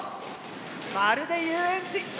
まるで遊園地！